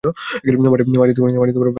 মাঠগুলো ভালো লাগছে?